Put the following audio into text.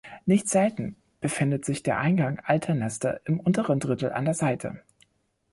Nicht selten befindet sich der Eingang alter Nester im unteren Drittel an der Seite.